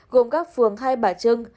gồm các phường hai bà trưng